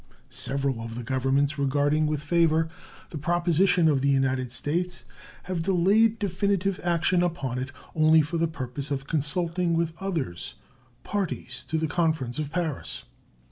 Several of the governments regarding with favor the proposition of the United States have delayed definitive action upon it only for the purpose of consulting with others, parties to the conference of Paris.